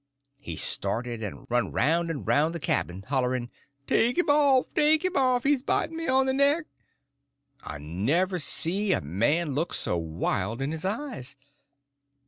He started and run round and round the cabin, hollering "Take him off! take him off! he's biting me on the neck!" I never see a man look so wild in the eyes.